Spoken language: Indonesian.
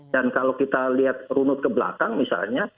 dan kalau kita lihat runut ke belakang misalnya